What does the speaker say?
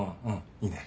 いいね。